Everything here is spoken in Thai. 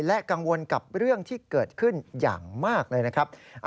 และกังวลกับเรื่องที่เกิดขึ้นอย่างมากเลยนะครับ